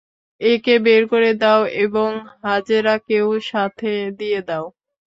একে বের করে দাও এবং হাজেরাকেও সাথে দিয়ে দাও।